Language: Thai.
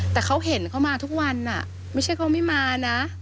แต่เขาเห็นเขามาทุกวันไม่ใช่เขาไม่มานะ